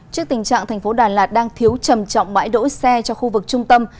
trước tình trạng thành phố đà lạt đang thiếu trầm trọng bãi đỗ xe cho khu vực trung tâm